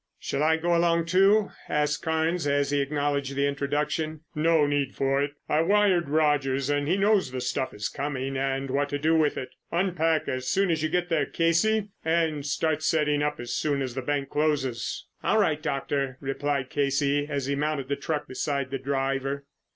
"Shall I go along too?" asked Carnes as he acknowledged the introduction. "No need for it. I wired Rogers and he knows the stuff is coming and what to do with it. Unpack as soon as you get there, Casey, and start setting up as soon as the bank closes." "All right, Doctor," replied Casey as he mounted the truck beside the driver.